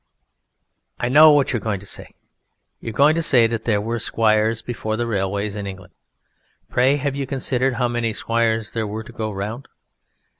I know what you are going to say; you are going to say that there were squires before the railways in England. Pray have you considered how many squires there were to go round?